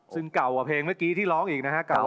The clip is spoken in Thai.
ซึ่งเก่ากว่าเพลงเมื่อกี้ที่ร้องอีกนะครับ